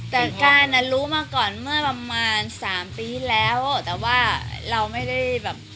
แต่การอ่ะรู้มาก่อนเมื่อประมาณสามปีแล้วแต่ว่าเราไม่ได้แบบ